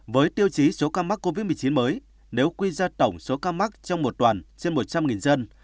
với tiêu chí số ca mắc covid một mươi chín mới nếu quy ra tổng số ca mắc trong một tuần trên một trăm linh dân